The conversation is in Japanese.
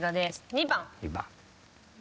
２番。